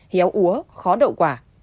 héo úa khó đậu quả